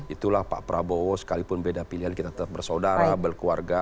itulah pak prabowo sekalipun beda pilihan kita tetap bersaudara berkeluarga